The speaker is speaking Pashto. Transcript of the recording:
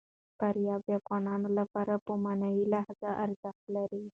فاریاب د افغانانو لپاره په معنوي لحاظ ارزښت لري.